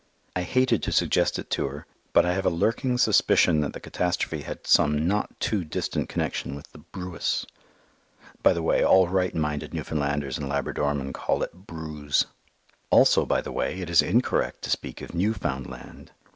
I hated to suggest it to her, but I have a lurking suspicion that the catastrophe had some not too distant connection with the "brewis." By the way, all right minded Newfoundlanders and Labradormen call it "bruse." Also by the way, it is incorrect to speak of _New_foundland.